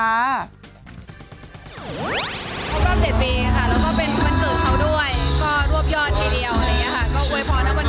วันรอบ๗ปีค่ะแล้วก็เป็นวันเกิดเขาด้วย